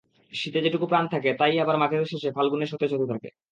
শীতে যেটুকু প্রাণ থাকে, তা-ই আবার মাঘের শেষে ফাল্গুনে সতেজ হতে থাকে।